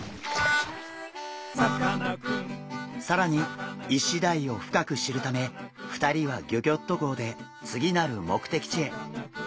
さらにイシダイを深く知るため２人はギョギョッと号で次なる目的地へ。